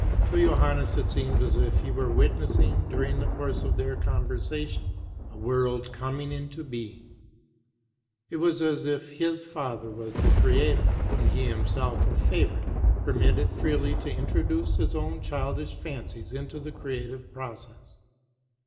To Johannes it seemed as if he were witnessing, during the course of their conversation, a world coming into being; it was as if his father were the Creator, and he himself a favorite, permitted freely to introduce his own childish fancies into the creative process.